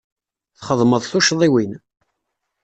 Txedmeḍ tuccḍiwin.